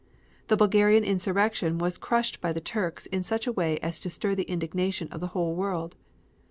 The Bulgarian insurrection was crushed by the Turks in such a way as to stir the indignation of the whole world.